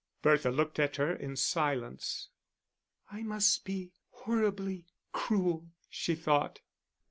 Bertha looked at her in silence. "I must be horribly cruel," she thought.